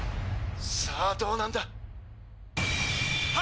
⁉さぁどうなんだ？